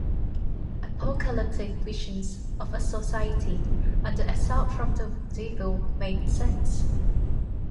Apocalyptic visions of a society "under assault from the devil made sense".